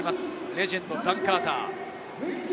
レジェンド、ダン・カーター。